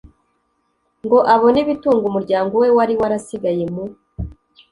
ngo abone ibitunga umuryango we wari warasigaye mu